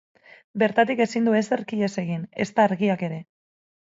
Bertatik ezin du ezerk ihes egin, ezta argiak ere.